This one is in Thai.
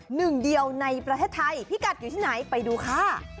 หนึ่งเดียวในประเทศไทยพิกัดอยู่ที่ไหนไปดูค่ะ